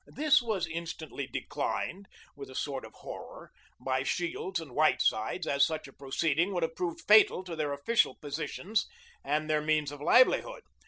This was instantly declined, with a sort of horror, by Shields and Whitesides, as such a proceeding would have proved fatal to their official positions and their means of livelihood.